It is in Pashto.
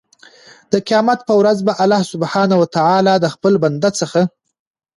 د قيامت په ورځ به الله سبحانه وتعالی د خپل بنده څخه